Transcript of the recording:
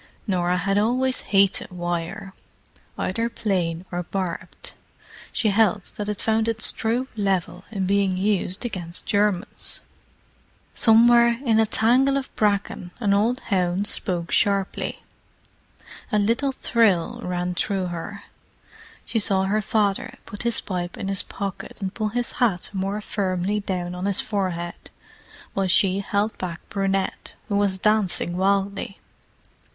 Norah had always hated wire, either plain or barbed. She held that it found its true level in being used against Germans. Somewhere in a tangle of bracken an old hound spoke sharply. A little thrill ran through her. She saw her father put his pipe in his pocket and pull his hat more firmly down on his forehead, while she held back Brunette, who was dancing wildly.